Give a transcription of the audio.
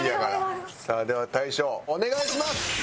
さあでは大将お願いします！